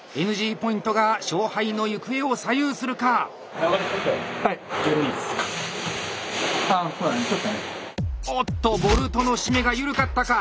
ＮＧポイントが勝敗の行方を左右するか⁉おっとボルトの締めが緩かったか？